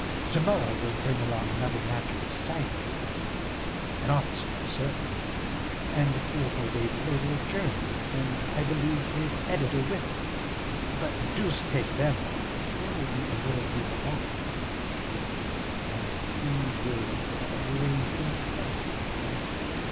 To morrow they'll bring along another natural scientist, I believe, an officer for certain, and three or four days later a journalist, and, I believe, his editor with him. But deuce take them all, there will be a little group of us anyway, and things will arrange themselves.